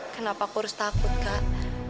kenapa aku harus takut kak